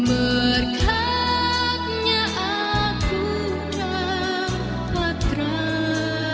berkatnya aku dapat terang